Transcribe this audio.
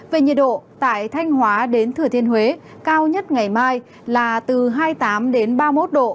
về nhiệt độ tại thanh hóa đến thừa thiên huế cao nhất ngày mai là từ hai mươi tám đến ba mươi một độ